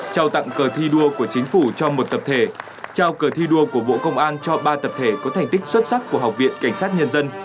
trao tặng cờ thi đua của chính phủ cho một tập thể trao cờ thi đua của bộ công an cho ba tập thể có thành tích xuất sắc của học viện cảnh sát nhân dân